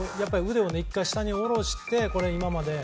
腕を１回、下に下ろして今までは。